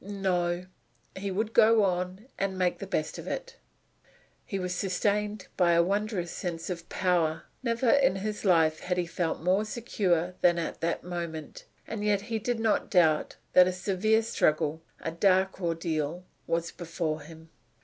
No, he would go on, and make the best of it. He was sustained by a wondrous sense of power. Never in his life had he felt more secure than at that moment, and yet he did not doubt that a severe struggle a dark ordeal was before him.